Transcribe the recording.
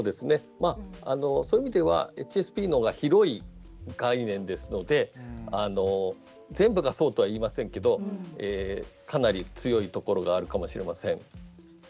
まあそういう意味ではＨＳＰのほうが広い概念ですので全部がそうとは言いませんけどかなり強いところがあるかもしれません。